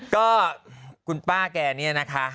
ก็คุณป้าแกเนี่ยนะคะ